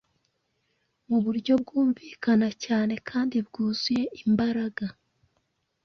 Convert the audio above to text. Mu buryo bwumvikana cyane kandi bwuzuye imbaraga